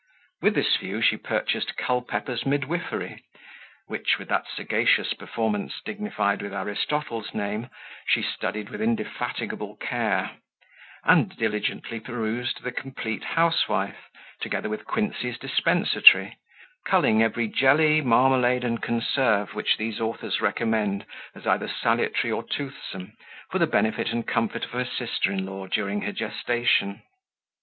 With this view she purchased Culpepper's Midwifery, which with that sagacious performance dignified with Aristotle's name, she studied with indefatigable care; and diligently perused the Complete Housewife, together with Quincy's Dispensatory, culling every jelly, marmalade, and conserve which these authors recommend as either salutary or toothsome, for the benefit and comfort of her sister in law, during her gestation.